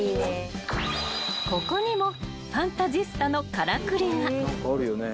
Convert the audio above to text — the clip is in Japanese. ［ここにもファンタジスタのからくりが］